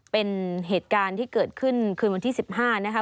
เป็นเหตุการณ์ที่เกิดขึ้นคืนวันที่๑๕นะคะ